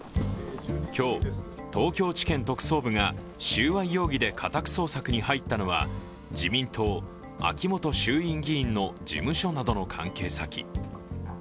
今日、東京地検特捜部が収賄容疑で家宅捜索に入ったのは自民党・秋本衆院議員の事務所などの関係先。